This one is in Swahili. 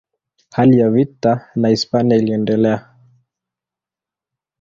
Hali ya vita na Hispania iliendelea.